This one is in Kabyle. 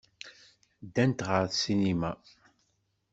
Ddant ɣer ssinima.